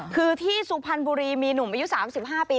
คือที่สุพรรณบุรีมีหนุ่มอายุ๓๕ปี